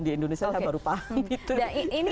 di indonesia saya baru paham gitu